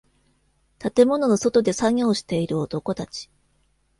建物の外で作業している男達